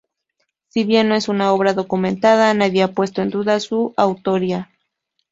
Si bien no es una obra documentada nadie ha puesto en duda su autoría.